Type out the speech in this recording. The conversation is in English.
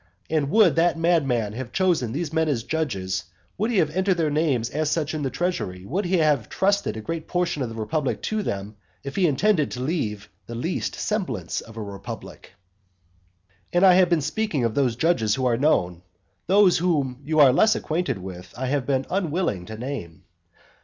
And would that madman have chosen these men as judges, would he have entered their names as such in the treasury, would he have trusted a great portion of the republic to them, if he had intended to leave the least semblance of a republic? VI. And I have been speaking of those judges who are known. Those whom you are less acquainted with I have been unwilling to name.